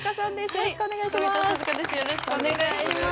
よろしくお願いします。